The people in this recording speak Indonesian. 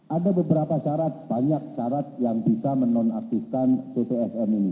ada beberapa syarat banyak syarat yang bisa menonaktifkan ctsm ini